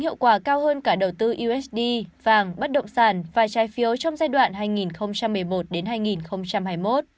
hiệu quả cao hơn cả đầu tư usd vàng bất động sản và trái phiếu trong giai đoạn hai nghìn một mươi một hai nghìn hai mươi một